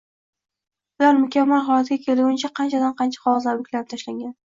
Ular mukammal holatga kelguncha, qanchadan-qancha qog‘ozlar buklanib tashlangan.